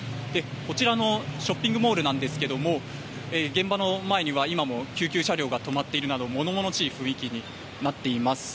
こちらのショッピングモールなんですけども現場の前には今も救急車両が止まっているなど物々しい雰囲気になっています。